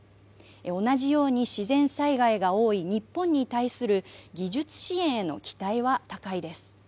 同じように自然災害が多い日本に対する技術支援への期待は高いです。